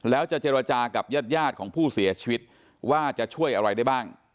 แล้วจะเจรจากับญาติยาดของผู้เสียชีวิตว่าจะช่วยอะไรได้บ้าง